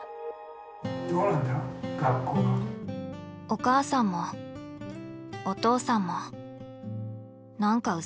お母さんもお父さんも何かウザかった。